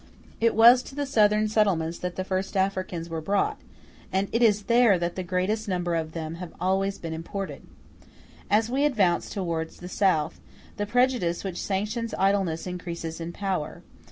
It was to the southern settlements that the first Africans were brought, and it is there that the greatest number of them have always been imported. As we advance towards the South, the prejudice which sanctions idleness increases in power.